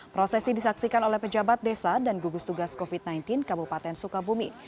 prosesi disaksikan oleh pejabat desa dan gugus tugas covid sembilan belas kabupaten sukabumi